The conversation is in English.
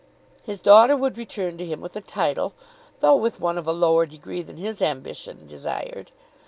His daughter would return to him with a title, though with one of a lower degree than his ambition desired.